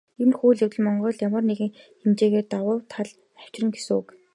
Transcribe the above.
Иймэрхүү үйл явдал Монголд ямар нэгэн хэмжээгээр давуу тал авчирна гэсэн үг.